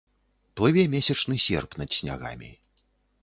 Плыве месячны серп над снягамі.